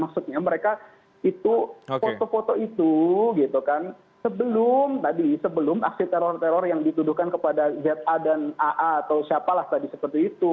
maksudnya mereka itu foto foto itu gitu kan sebelum tadi sebelum aksi teror teror yang dituduhkan kepada za dan aa atau siapalah tadi seperti itu